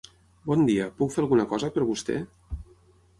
Bon dia, puc fer alguna cosa per vostè?